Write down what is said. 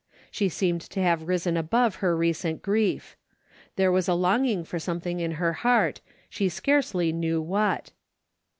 She seemed to have risen above her recent grief. There was a longing for something in her heart, she scarcely knew what.